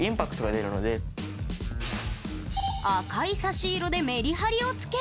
赤い差し色でメリハリをつける。